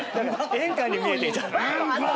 演歌に見えてきた。